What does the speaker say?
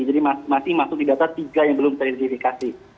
jadi masih masuk di data tiga yang belum teridentifikasi